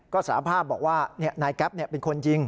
ก็สารภาพบอกว่านายแก๊ปเป็นคนยิง